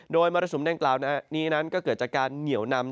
โดยไมโรสุอัมเเด็กเรานื้อนั้นเกิดจากการเหนียวนำ